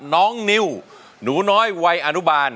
น้องนิวหนูน้อยวัยอนุบาล